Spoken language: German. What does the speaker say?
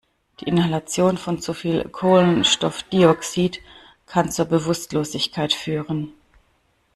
Die Inhalation von zu viel Kohlenstoffdioxid kann zur Bewusstlosigkeit führen.